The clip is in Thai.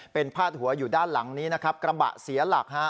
เป็นพาดหัวอยู่ด้านหลังนี้นะครับกระบะเสียหลักฮะ